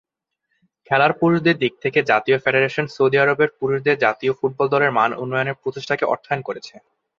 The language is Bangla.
খেলার পুরুষদের দিক থেকে, জাতীয় ফেডারেশন সৌদি আরবের পুরুষদের জাতীয় ফুটবল দলের মান উন্নয়নে প্রচেষ্টাকে অর্থায়ন করেছে।